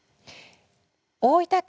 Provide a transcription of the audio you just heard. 大分県